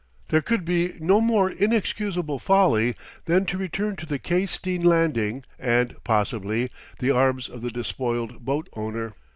There could be no more inexcusable folly than to return to the Quai Steen landing and (possibly) the arms of the despoiled boat owner.